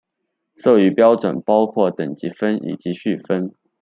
授予标准包括等级分以及序分。